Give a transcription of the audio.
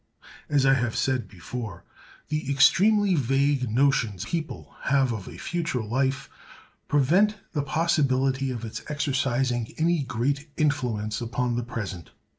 As I have said before, the extremely vague notions people have of a future life prevent the possibility of its exercising any great influence upon the present.